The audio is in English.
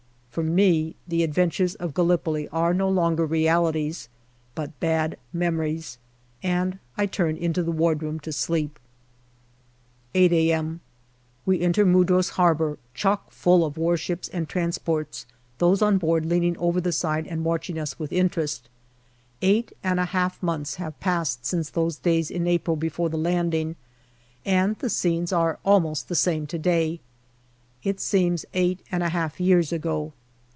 For me the adventures of Gallipoli are no longer realities, but bad memories, and I turn into the wardroom to sleep. 21 322 GALLIPOLI DIARY 8 a.m. We enter Mudros Harbour, chockfull of warships and transports, those on board leaning over the side and watching us with interest. Eight and a half months have passed since those days in April before the landing, and the scenes are almost the same to day. It seems eight and a half years ago.